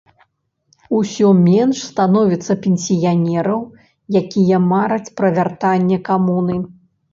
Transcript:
Усё менш становіцца пенсіянераў, якія мараць пра вяртанне камуны.